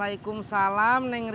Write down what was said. anaknya atau penipu ada penipu another